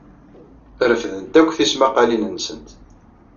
Refdent akk tismaqqalin-nsent.